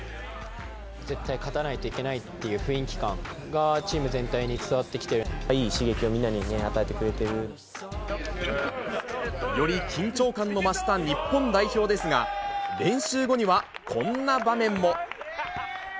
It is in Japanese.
絶対勝たないといけないっていう雰囲気感がチーム全体に伝わいい刺激をみんなに与えてくより緊張感の増した日本代表とがぴー！